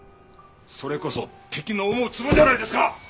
それこそ敵の思うつぼじゃないですか！